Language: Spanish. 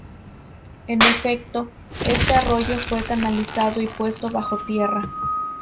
En efecto, este arroyo fue canalizado y puesto bajo tierra.